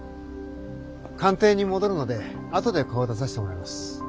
官邸に戻るので後で顔出させてもらいます。